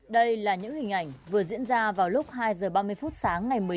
đây là những hình ảnh vừa diễn ra vào lúc hai giờ ba mươi phút sáng ngày một